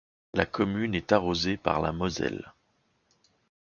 La commune est arrosée par la Moselle.